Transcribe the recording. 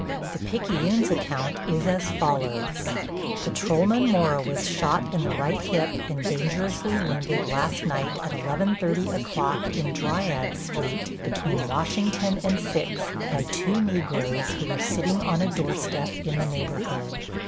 The Picayune's account is as follows: Patrolman Mora was shot in the right hip and dangerously wounded last night at 11:30 o'clock in Dryades Street, between Washington and Sixth, by two Negroes, who were sitting on a door step in the neighborhood.